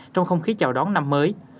trong không khí chào đón năm mới